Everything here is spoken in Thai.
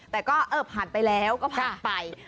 แต่ก็ผ่านไปแล้วก็ผ่านไป